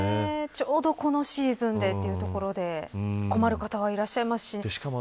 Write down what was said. ちょうどこのシーズンでというところで困る方がいらっしゃいますし。